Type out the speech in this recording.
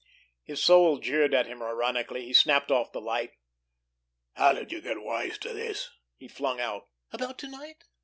His soul jeered at him ironically. He snapped off the light. "How did you get wise to this?" he flung out. "About to night?